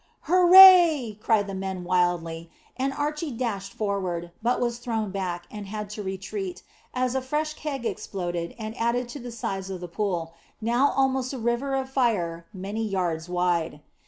"Hurrah!" cried the men wildly; and Archy dashed forward, but was thrown back, and had to retreat, as a fresh keg exploded and added to the size of the pool, now almost a river of fire many yards wide.